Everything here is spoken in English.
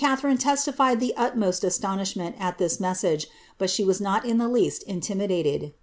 343 Queen Gatharine testified the utmost astonishinent at this message, but •he was not in the least intimidated.